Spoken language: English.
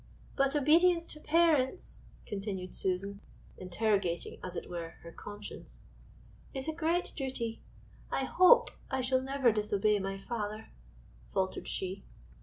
"But obedience to parents," continued Susan, interrogating, as it were, her conscience, "is a great duty. I hope I shall never disobey my father," faltered she.